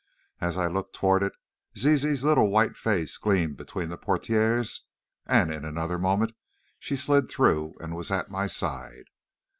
As I looked toward it, Zizi's little white face gleamed between the portières, and in another moment she slid through and was at my side.